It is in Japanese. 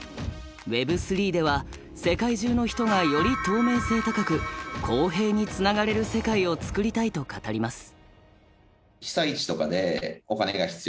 Ｗｅｂ３では世界中の人がより透明性高く公平につながれる世界をつくりたいと語ります。